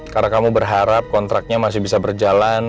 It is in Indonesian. karena kamu berharap kontraknya masih bisa berjalan